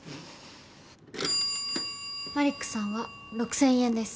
マリックさんは６０００円です。